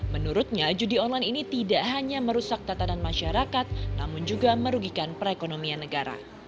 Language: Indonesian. menurutnya judi online ini tidak hanya merusak tatanan masyarakat namun juga merugikan perekonomian negara